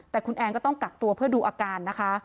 แต่คุณแอนก็ต้องกักตัวเพื่อดูอาการนะคะ